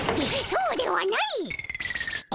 そうではないっ！